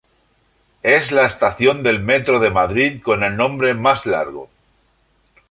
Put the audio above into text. Es la estación del Metro de Madrid con el nombre más largo.